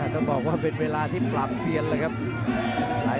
ต้องบอกว่าเป็นเวลาที่ปรับเปลี่ยนเลยครับ